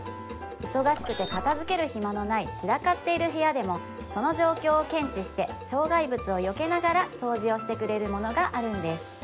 忙しくて片付ける暇のない散らかっている部屋でもその状況を検知して障害物をよけながら掃除をしてくれるものがあるんです